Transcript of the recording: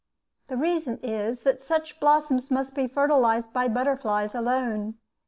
The reason is, that such blossoms must be fertilized by butterflies alone.